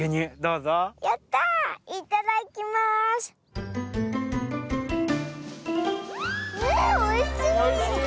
うんおいしい！